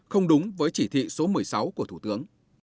không đúng với chỉ thị số một mươi sáu của thủ tướng